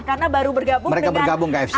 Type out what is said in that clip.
karena baru bergabung dengan afc